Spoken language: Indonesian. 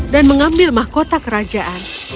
dan mengambil mahkota kerajaan